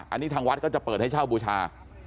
อันนี้ทางวัดก็จะเปิดให้เช่าบูชา